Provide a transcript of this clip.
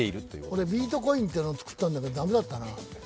俺、ビートコインというのを作ったけど、駄目だったな。